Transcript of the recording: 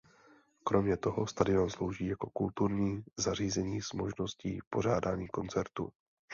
Kromě toho stadion slouží jako kulturní zařízení s možností pořádání koncertů.